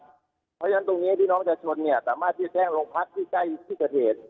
เพราะฉะนั้นตรงนี้พี่น้องประชาชนเนี่ยสามารถที่จะแจ้งโรงพักที่ใกล้ที่เกิดเหตุ